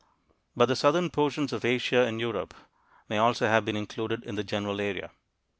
But the southern portions of Asia and Europe may also have been included in the general area.